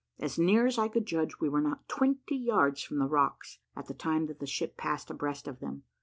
As near as I could judge, we were not twenty yards from the rocks, at the time that the ship passed abreast of them.